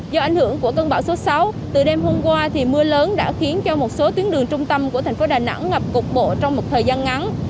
do ảnh hưởng của cơn bão số sáu từ đêm hôm qua thì mưa lớn đã khiến cho một số tuyến đường trung tâm của thành phố đà nẵng ngập cục bộ trong một thời gian ngắn